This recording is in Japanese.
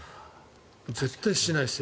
絶対しないです。